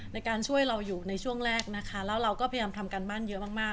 ในการช่วยเราอยู่ในช่วงแรกนะคะแล้วเราก็พยายามทำการบ้านเยอะมากมาก